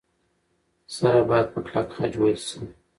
سره باید په کلک خج وېل شي.